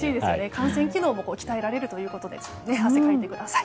汗腺機能も鍛えられるということなので汗をかいてください。